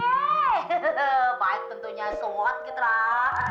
hehehe baik bentuknya suat gitu lah